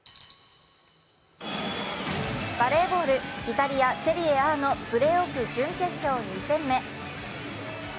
バレーボール、イタリア・セリエＡのプレーオフ、準決勝２戦目。